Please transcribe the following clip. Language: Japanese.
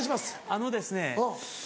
あのですね